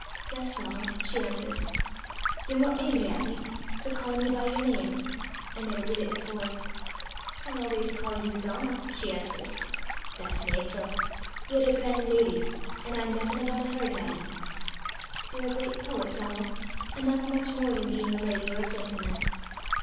"Yes, Donal," she answered. "Ye're no angry at me for ca'in ye by yer name? I never did it afore." "I always call you Donal," she answered. "That's naitral. Ye're a gran' leddy, an' I'm naething abune a herd laddie." "You're a great poet, Donal, and that's much more than being a lady or a gentleman."